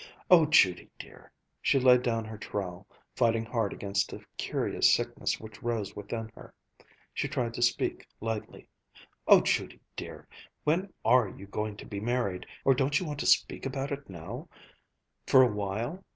Oh, Judy dear," she laid down her trowel, fighting hard against a curious sickness which rose within her. She tried to speak lightly. "Oh, Judy dear, when are you going to be married? Or don't you want to speak about it now, for a while?